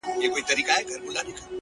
• چی له خولې به یې تیاره مړۍ لوېږی ,